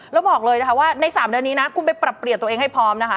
แล้วบอกเลยนะคะว่าใน๓เดือนนี้นะคุณไปปรับเปลี่ยนตัวเองให้พร้อมนะคะ